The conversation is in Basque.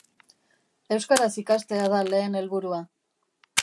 Euskaraz ikastea da lehen helburua.